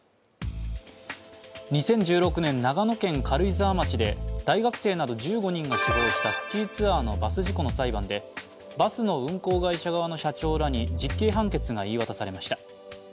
２０１６年長野県軽井沢町で大学生など１５人が死亡したスキーツアーのバス事故の裁判でバスの運行会社側の社長らに実刑判決が言い渡されました。